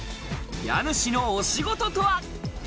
家主のお仕事とは？